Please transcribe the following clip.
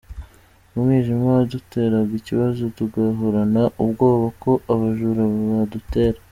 Umwijima waduteraga ikibazo, tugahorana ubwoba ko abajura badutera.